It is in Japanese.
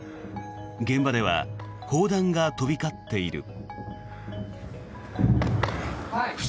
現場では砲弾が飛び交っている。